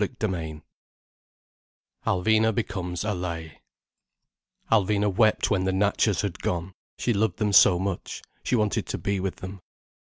CHAPTER IX ALVINA BECOMES ALLAYE Alvina wept when the Natchas had gone. She loved them so much, she wanted to be with them.